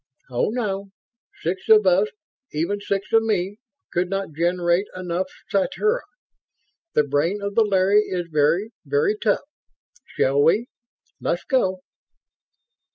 "Oh, no. Six of us even six of me could not generate enough ... sathura. The brain of the Larry is very, very tough. Shall we ... let's go?"